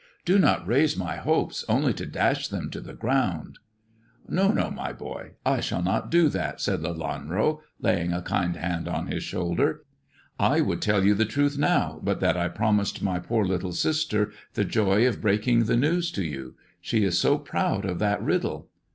Do not raise my hopes only to dash them to the ground." " No, my boy ; I shall not do that," said Lelanro, laying a kind hand on his shoulder. '* I would tell you the truth now, but that I promised my poor little sister the joy of breaking the news to you. She is so proud of that riddle."